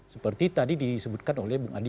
seperti tadi disebutkan oleh bung andi